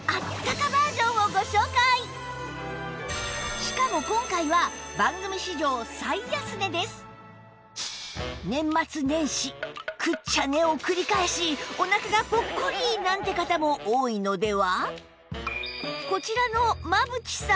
しかも今回は年末年始食っちゃ寝を繰り返しお腹がポッコリ！なんて方も多いのでは？